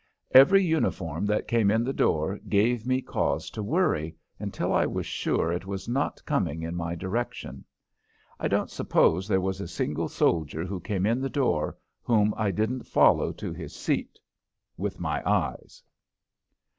Every uniform that came in the door gave me cause to worry until I was sure it was not coming in my direction. I don't suppose there was a single soldier who came in the door whom I didn't follow to his seat with my eyes.